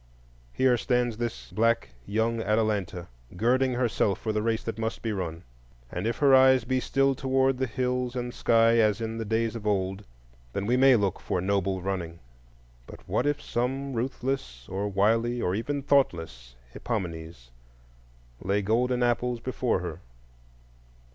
Here stands this black young Atalanta, girding herself for the race that must be run; and if her eyes be still toward the hills and sky as in the days of old, then we may look for noble running; but what if some ruthless or wily or even thoughtless Hippomenes lay golden apples before her?